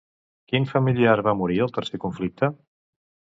Quin familiar va morir al tercer conflicte?